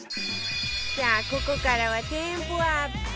さあここからはテンポアップ